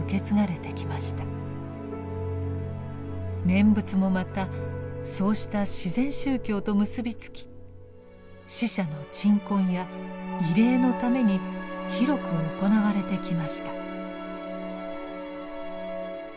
「念仏」もまたそうした自然宗教と結び付き死者の鎮魂や慰霊のために広く行われてきました。